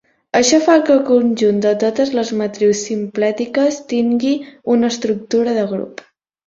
Això fa que el conjunt de totes les matrius simplèctiques tingui una estructura de grup.